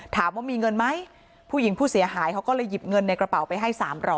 ถามว่ามีเงินไหมผู้หญิงผู้เสียหายเขาก็เลยหยิบเงินในกระเป๋าไปให้๓๐๐